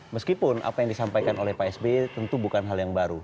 meskipun apa yang disampaikan oleh pak sby tentu bukan hal yang baru